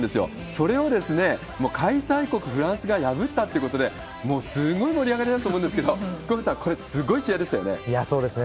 それを開催国フランスが破ったということで、もうすごい盛り上がりだと思うんですけど、福岡さん、そうですね。